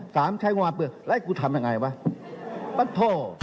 สามใช้งวัตรแล้วให้กูทำยังไงป่ะบัดโทร